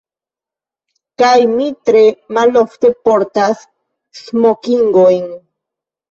Kaj mi tre malofte portas smokingojn.